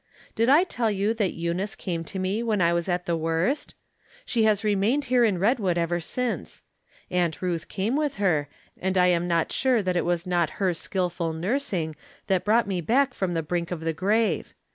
Did I tell you that Eunice came to me when I was at the worst ? She has remained here in Redwood ever since. Aunt Ruth came with her, and I am not sure that it was not her skillful nursing that brought me back from the brink of the grave.